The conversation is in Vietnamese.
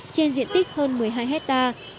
trên diện tích hơn một mươi hai hectare